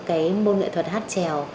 cái môn nghệ thuật hát trèo